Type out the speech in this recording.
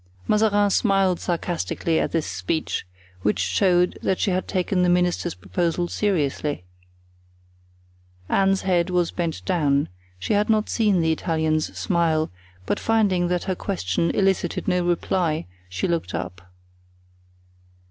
Mazarin smiled sarcastically at this speech, which showed that she had taken the minister's proposal seriously. Anne's head was bent down—she had not seen the Italian's smile; but finding that her question elicited no reply she looked up.